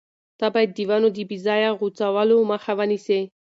ته باید د ونو د بې ځایه غوڅولو مخه ونیسې.